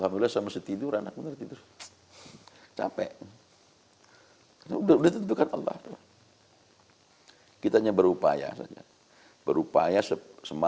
jadi itu apa ya